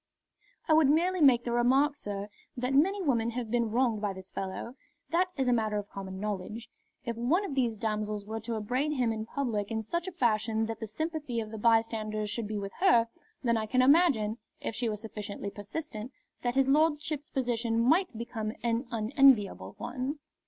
"I would merely make the remark, sir, that many women have been wronged by this fellow. That is a matter of common knowledge. If one of these damsels were to upbraid him in public in such a fashion that the sympathy of the bystanders should be with her, then I can imagine, if she were sufficiently persistent, that his lordship's position might become an unenviable one."